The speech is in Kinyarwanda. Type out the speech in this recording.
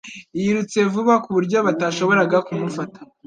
Yirutse vuba ku buryo batashoboraga kumufata